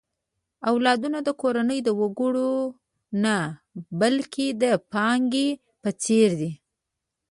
اولادونه د کورنۍ د وګړو نه، بلکې د پانګې په څېر دي.